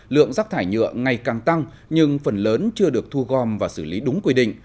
lượng rác thải nhựa ngày càng tăng nhưng phần lớn chưa được thu gom và xử lý đúng quy định